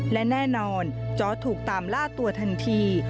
และแน่นอนจอร์ดถูกตามล่าตัวทันที